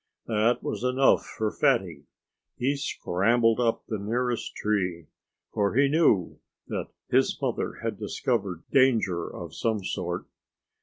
That was enough for Fatty. He scrambled up the nearest tree. For he knew that his mother had discovered danger of some sort.